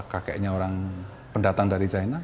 kakeknya orang pendatang dari china